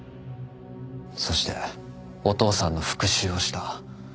そしてお父さんの復讐をした。